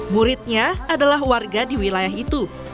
muridnya adalah warga di wilayah itu